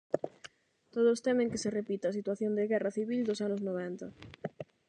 Todos temen que se repita a situación de guerra civil dos anos noventa.